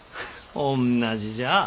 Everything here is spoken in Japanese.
おんなじじゃあ。